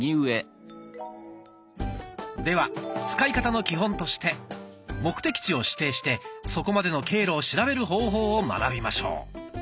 では使い方の基本として目的地を指定してそこまでの経路を調べる方法を学びましょう。